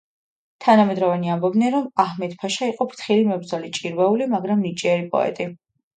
თანამედროვენი ამბობდნენ, რომ აჰმედ-ფაშა იყო ფრთხილი მებრძოლი, ჭირვეული, მაგრამ ნიჭიერი პოეტი.